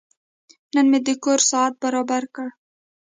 نن مې د کور ساعت برابر کړ.